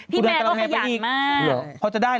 พี่แมนก็ขยั่นมาก